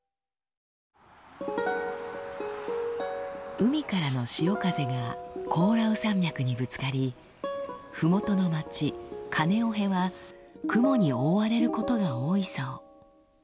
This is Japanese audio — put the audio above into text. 海からの潮風がコオラウ山脈にぶつかりふもとの町カネオヘは雲に覆われることが多いそう。